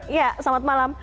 iya selamat malam